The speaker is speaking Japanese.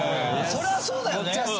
「そりゃあそうだよね」